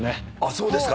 そうですか。